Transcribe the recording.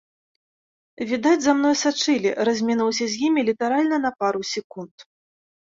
Відаць, за мной сачылі, размінуўся з імі літаральна на пару секунд.